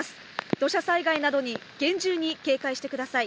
土砂災害などに厳重に警戒してください。